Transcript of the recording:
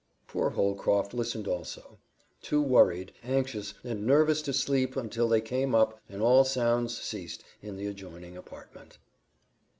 Poor Holcroft listened also; too worried, anxious, and nervous to sleep until they came up and all sounds ceased in the adjoining apartment.